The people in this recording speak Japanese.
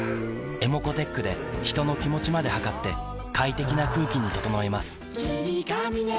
ｅｍｏｃｏーｔｅｃｈで人の気持ちまで測って快適な空気に整えます